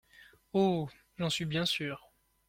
Oh ! j'en suis bien sûr.